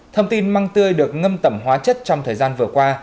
thông tin măng tươi được ngâm tẩm hóa chất trong thời gian vừa qua